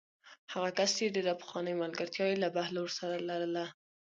هغه کس چې ډېره پخوانۍ ملګرتیا یې له بهلول سره لرله.